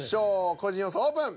個人予想オープン。